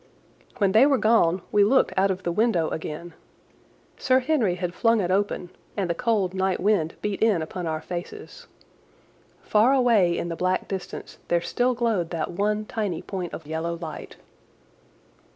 When they were gone we looked out of the window again. Sir Henry had flung it open, and the cold night wind beat in upon our faces. Far away in the black distance there still glowed that one tiny point of yellow light.